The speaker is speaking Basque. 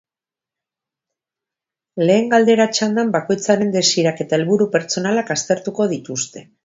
Lehen galdera txandan bakoitzaren desirak eta helburu pertsonalak aztertuko dituzte.